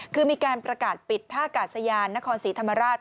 คือมีการประกาศปิดท่ากาศยานนครศรีธรรมราช